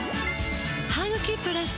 「ハグキプラス」